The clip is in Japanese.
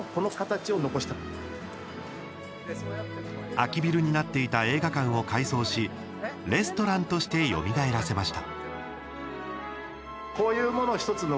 空きビルになっていた映画館を改装しレストランとしてよみがえらせました。